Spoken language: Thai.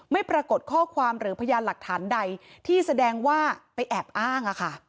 ไม่ปรากฏข้อความหรือพยานหลักฐานใดที่แสดงว่าไปแอบอ้าง